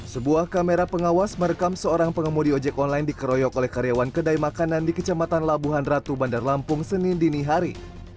sebuah kamera pengawas merekam seorang pengemudi ojek online dikeroyok oleh karyawan kedai makanan di kecamatan labuhan ratu bandar lampung senin dinihari